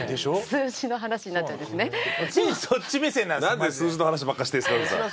なんで数字の話ばっかりしてるんですか古田さん。